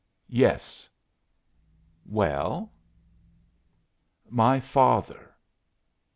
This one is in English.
"Yes." "Well?" "My father."